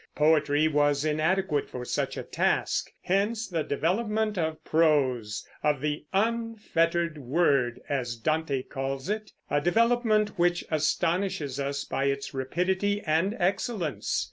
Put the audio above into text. Poetry was inadequate for such a task; hence the development of prose, of the "unfettered word," as Dante calls it, a development which astonishes us by its rapidity and excellence.